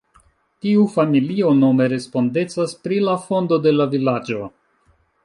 Tiu familio nome respondecas pri la fondo de la vilaĝo.